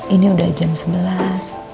ini udah jam sebelas